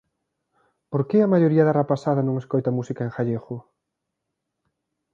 Por que a maioría da rapazada non escoita música en galego?